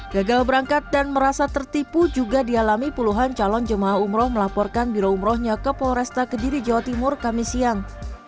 gagal berangkat dan merasa tertipu juga dialami puluhan calon jemaah umroh melaporkan biro umrohnya ke polresta kediri jawa timur kami siang